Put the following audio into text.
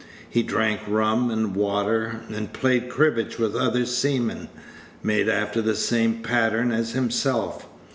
He drank rum and water, and played cribbage with other seamen, made after the same pattern as himself.